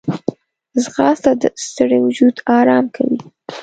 ځغاسته د ستړي وجود آرام کوي